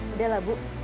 udah lah bu